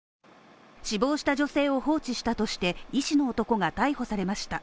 死亡した女性を放置したとして医師の男が逮捕されました。